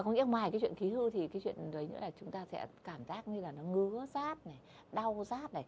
có nghĩa ngoài cái chuyện khí hư thì chúng ta sẽ cảm giác ngứa rát đau rát